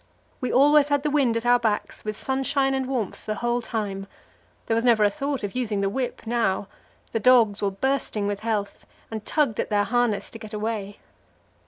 We always had the wind at our backs, with sunshine and warmth the whole time. There was never a thought of using the whip now; the dogs were bursting with health, and tugged at their harness to get away.